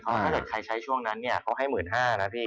ถ้าเกิดใครใช้ช่วงนั้นเนี่ยเขาให้๑๕๐๐นะพี่